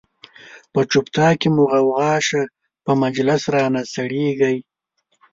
په چوپتیا کی مو غوغا شه، چه مجلس را نه سړیږی